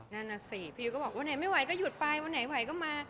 นั่นน่ะสิพี่ยุทธก็บอกว่าไหนไม่ไหวก็หยุดไปวันไหนไหวก็มา